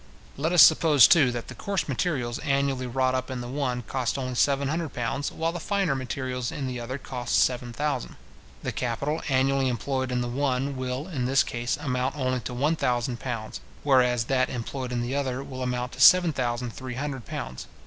Let us suppose, too, that the coarse materials annually wrought up in the one cost only seven hundred pounds, while the finer materials in the other cost seven thousand. The capital annually employed in the one will, in this case, amount only to one thousand pounds; whereas that employed in the other will amount to seven thousand three hundred pounds.